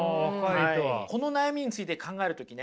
この悩みについて考える時ね